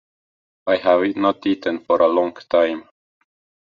I have not eaten for a long time.